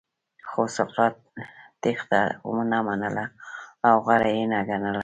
خو سقراط تېښته ونه منله او غوره یې نه ګڼله.